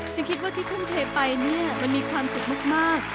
ชื่อคิดว่ากำ่องไปมีความสุขมาก